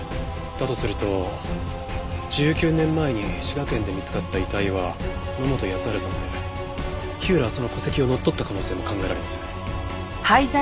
だとすると１９年前に滋賀県で見つかった遺体は野本康治さんで火浦はその戸籍を乗っ取った可能性も考えられます。